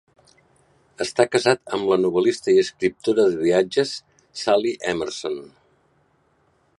Està casat amb la novel·lista i escriptora de viatges, Sally Emerson.